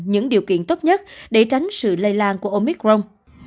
những điều kiện tốt nhất để tránh sự lây lan của omicron